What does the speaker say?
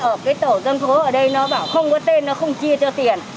ở cái tổ dân phố ở đây nó bảo không có tên nó không chia cho tiền